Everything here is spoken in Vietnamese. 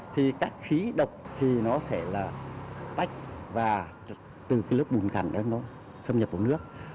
thì các khí độc thì nó sẽ là tách và từ lớp bùn cặn đó nó xâm nhập vào nước